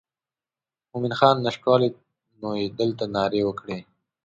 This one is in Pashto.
مومن خان نشتوالی نو یې دلته نارې وکړې.